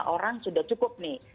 tujuh puluh lima orang sudah cukup nih